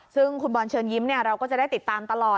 ซึ่งคุณบอลเชิญยิ้มเราก็จะได้ติดตามตลอด